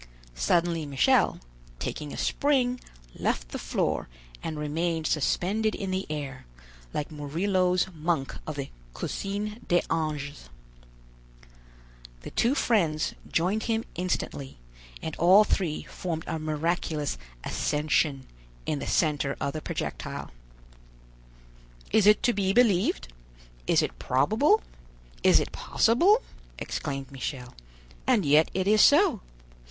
Suddenly Michel, taking a spring, left the floor and remained suspended in the air, like Murillo's monk of the Cusine des Anges. The two friends joined him instantly, and all three formed a miraculous "Ascension" in the center of the projectile. "Is it to be believed? is it probable? is it possible?" exclaimed Michel; "and yet it is so.